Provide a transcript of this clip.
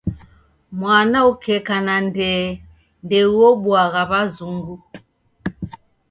Mwana ukeka na ndee ndeuobuagha w'azungu.